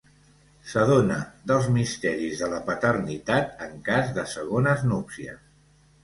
S'adona dels misteris de la paternitat en cas de segones núpcies.